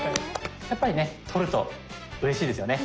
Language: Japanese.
やっぱりね取るとうれしいですよね。